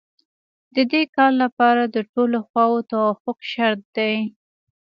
د دې کار لپاره د ټولو خواوو توافق شرط دی.